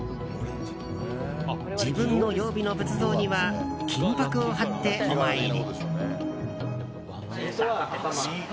自分の曜日の仏像には金箔を貼って、お参り。